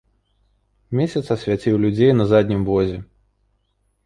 Месяц асвяціў людзей на заднім возе.